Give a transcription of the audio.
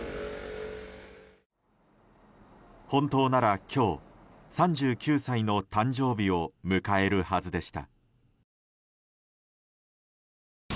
本当なら今日３９歳の誕生日を迎えるはずでした。